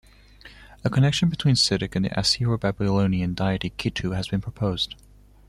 A connection between Sydyk and the Assyro-Babylonian deity Kittu has been proposed.